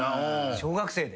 ・小学生で。